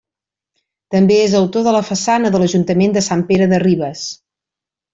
També és autor de la façana de l'Ajuntament de Sant Pere de Ribes.